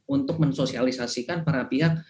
untuk mensosialisasikan para pihak